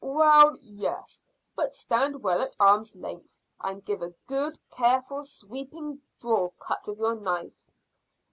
"Well, yes; but stand well at arm's length, and give a good, careful, sweeping draw cut with your knife."